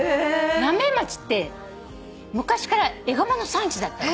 浪江町って昔からエゴマの産地だった。